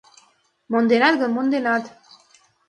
Монденат гын, монденат